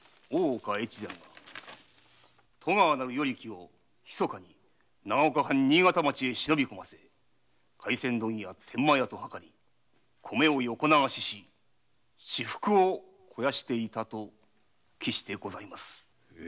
越前が戸川なる与力を密かに長岡藩新潟町へ忍び込ませ廻船問屋・天満屋と謀り米を横流しし私腹を肥やしていたと記してございます。